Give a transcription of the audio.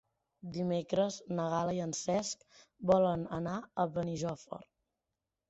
Dimecres na Gal·la i en Cesc volen anar a Benijòfar.